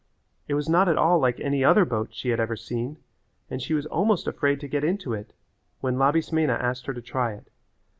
It was not at all like any other boat she had ever seen and she was almost afraid to get into it when Labismena asked her to try it.